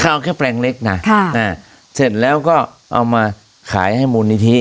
เอาแค่แปลงเล็กนะค่ะอ่าเสร็จแล้วก็เอามาขายให้มูลนิธิ